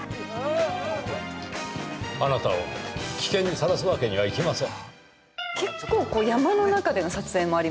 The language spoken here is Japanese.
あなたを危険にさらすわけにはいきません。